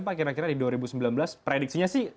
pak kira kira di dua ribu sembilan belas prediksinya sih